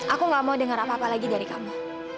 aku gak mau dengar apa apa lagi dari kamu